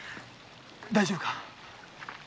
大丈夫か？